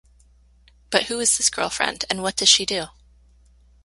But who is this girlfriend and what does she do?